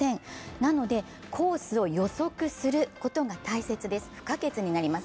なのでコースを予測することが大切、不可欠になります。